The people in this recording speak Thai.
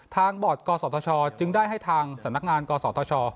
บอร์ดกศธชจึงได้ให้ทางสำนักงานกศธช